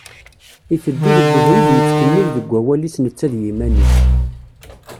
Iteddu deg ubrid yettkemmil deg wawal-is netta d yiman-is.